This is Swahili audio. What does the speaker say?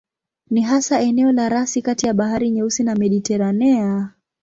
Ni hasa eneo la rasi kati ya Bahari Nyeusi na Mediteranea.